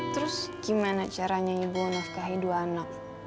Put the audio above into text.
terus gimana caranya ibu nafkahi dua anak